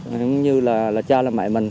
giống như là cha là mẹ mình